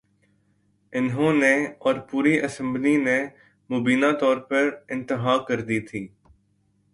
انہوں نے اور پوری اسمبلی نے مبینہ طور پر انتہا کر دی تھی۔